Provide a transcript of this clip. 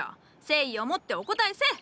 誠意をもってお答えせえ！